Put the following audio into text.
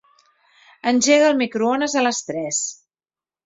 Engega el microones a les tres.